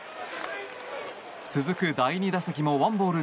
続く、第２打席１ボール